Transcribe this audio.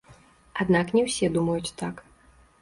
Аднак не ўсе думаюць так.